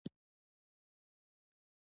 سوړ، ساړه، سړه، سړې.